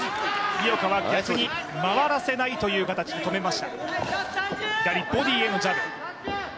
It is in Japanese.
井岡は逆に回らせないという形で止めました。